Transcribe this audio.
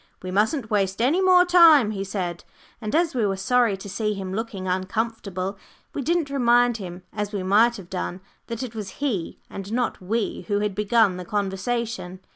"We mustn't waste any more time," he said, and, as we were sorry to see him looking uncomfortable, we didn't remind him, as we might have done, that it was he, and not we, who had begun the conversation.